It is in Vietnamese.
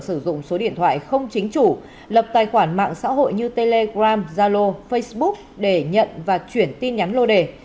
cơ quan tỉnh nghệ an vừa sử dụng số điện thoại không chính chủ lập tài khoản mạng xã hội như telegram zalo facebook để nhận và chuyển tin nhắn lô đề